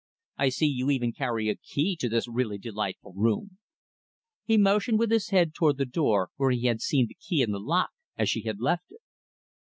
"I see you even carry a key to this really delightful room." He motioned with his head toward the door where he had seen the key in the lock, as she had left it.